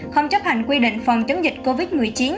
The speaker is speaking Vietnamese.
không chấp hành quy định phòng chống dịch covid một mươi chín